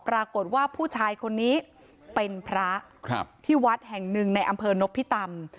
ปรากฏว่าผู้ชายคนนี้เป็นพระที่วัดแห่งหนึ่งในอำเภอนพิตำ